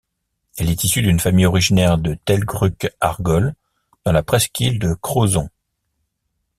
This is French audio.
Elle est issue d’une famille originaire de Telgruc-Argol, dans la presqu'île de Crozon.